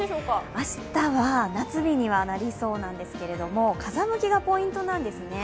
明日は夏日にはなりそうなんですけれども、風向きがポイントなんですね。